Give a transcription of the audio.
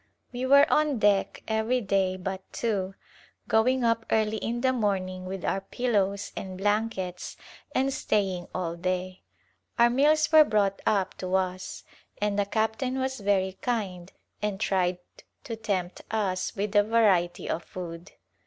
We were on deck every day but two, going up early in the morning with our pillows and blankets and staying all day. Our meals were brought up to Outward Journey us, and the captain was very kind and tried to tempt us with a variety of food.